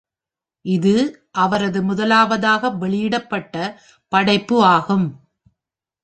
இது அவரது முதலாவதாக வெளியிடப்பட்ட படைப்பு ஆகும்.